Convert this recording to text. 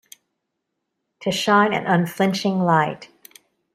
To shine an unflinching light.